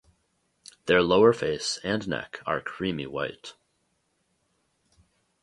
Their lower face and neck are creamy white.